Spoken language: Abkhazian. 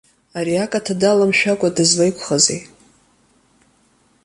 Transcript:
Ари акаҭа даламшәакәа дызлеиқәхазеи?